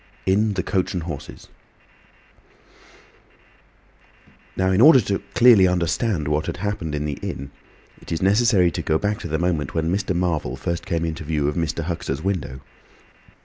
IN THE "COACH AND HORSES" Now in order clearly to understand what had happened in the inn, it is necessary to go back to the moment when Mr. Marvel first came into view of Mr. Huxter's window.